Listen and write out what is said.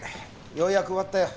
ようやく終わったよ。